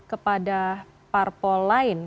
kepada parpol lain